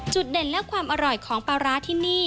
เด่นและความอร่อยของปลาร้าที่นี่